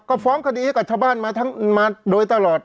ก็ฟ้องคดีให้กับชาวบ้านมาโดยตลอด